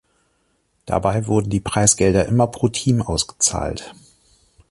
Dabei wurden die Preisgelder immer pro Team ausgezahlt.